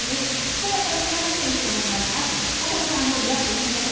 今日は豊島先生に質問があります」。